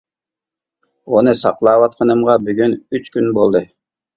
ئۇنى ساقلاۋاتقىنىمغا بۈگۈن ئۈچ كۈن بولدى.